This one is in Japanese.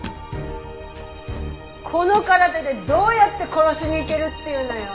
この体でどうやって殺しに行けるっていうのよ。